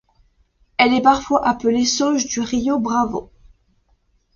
Elle est parfois appelée Sauge du Rio Bravo.